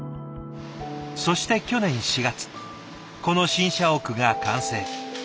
そして去年４月この新社屋が完成。